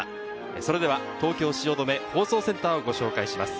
それでは東京・汐留放送センターをご紹介します。